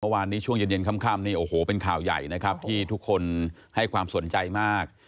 เมื่อวานช่วงเย็นคัมเป็นข่าวใหญ่ที่ทุกคนให้ความสนใจมาก